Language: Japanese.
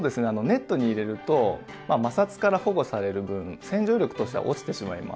ネットに入れると摩擦から保護される分洗浄力としては落ちてしまいます。